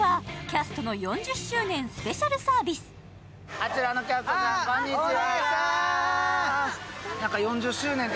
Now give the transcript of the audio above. あちらのキャストさん、こんにちは。